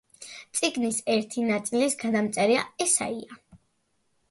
წიგნის ერთი ნაწილის გადამწერია ესაია.